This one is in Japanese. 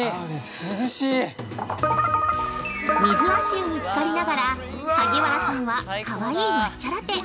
◆水足湯につかりながら萩原さんはかわいい抹茶ラテ。